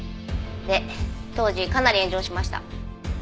で当時かなり炎上しました。